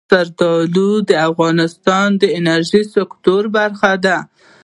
زردالو د افغانستان د انرژۍ سکتور برخه ده.